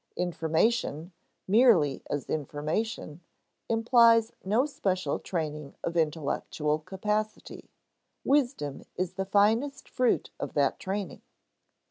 Information, merely as information, implies no special training of intellectual capacity; wisdom is the finest fruit of that training.